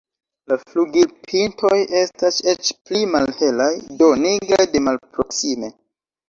La flugilpintoj estas eĉ pli malhelaj, do nigraj de malproksime.